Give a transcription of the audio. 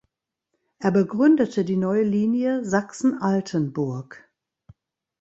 Er begründete die neue Linie Sachsen-Altenburg.